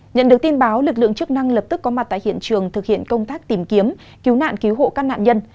nhận được tin báo lực lượng chức năng lập tức có mặt tại hiện trường thực hiện công tác tìm kiếm cứu nạn cứu hộ các nạn nhân